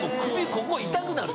ここ痛くなる。